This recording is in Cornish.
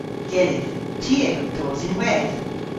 Gyllydh. Ty a yll dos ynwedh.